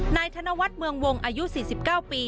ธนวัฒน์เมืองวงอายุ๔๙ปี